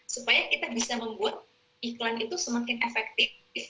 supaya kita bisa membuat iklan itu semakin efektif